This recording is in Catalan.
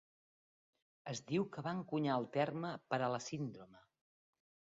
Es diu que va encunyar el terme per a la síndrome.